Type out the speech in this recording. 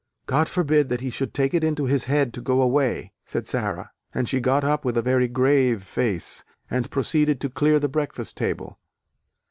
"God forbid that he should take it into his head to go away," said Sara: and she got up with a very grave face and proceeded to clear the breakfast table.